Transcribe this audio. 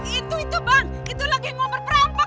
itu itu bang itu lagi ngobrol perampok